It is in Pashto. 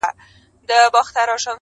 اصلي موضوع باندې به وغږېږو